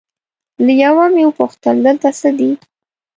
له یوه مې وپوښتل دلته څه دي؟